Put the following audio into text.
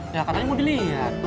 ya katanya mau dilihat